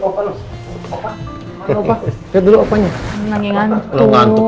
kalau ngantuk lagi ngantuk